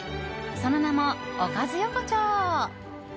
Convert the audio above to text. その名も、おかず横丁。